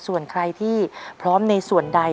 ส่วนใครที่พร้อมในส่วนใด